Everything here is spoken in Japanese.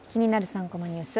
３コマニュース」